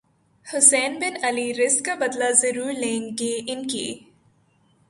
حسین بن علی رض کا بدلہ ضرور لیں گے انکی